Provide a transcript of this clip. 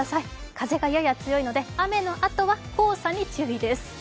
風がやや強いので雨のあとは黄砂に注意です。